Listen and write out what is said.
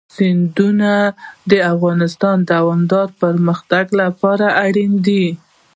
سیندونه د افغانستان د دوامداره پرمختګ لپاره اړین دي.